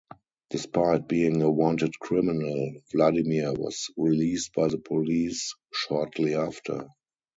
Despite being a wanted criminal, Vladimir was released by the police shortly after.